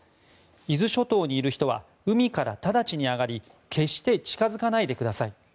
伊豆諸島にいる人は海から直ちに上がり決して近づかないでください。